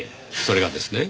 それがですね